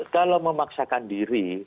kalau memaksakan diri